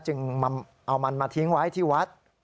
จึงเอามันมาทิ้งไว้ที่วัด